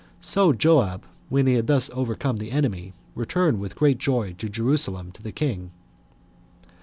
So Joab, when he had thus overcome the enemy, returned with great joy to Jerusalem to the king.